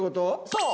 そう！